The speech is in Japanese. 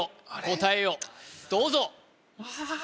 答えをどうぞああ